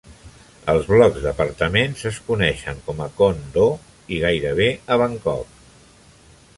Els blocs d'apartaments es coneixen com a "Con-doh" i gairebé a Bangkok.